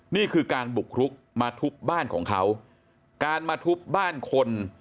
นี่คือการบุกรุกมาทุบบ้านของเขาการมาทุบบ้านคน